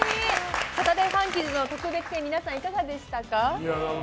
「サタデーファンキーズ」の特別編は皆さん、いかがでしたか？